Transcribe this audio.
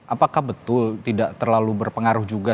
apakah betul tidak terlalu berpengaruh juga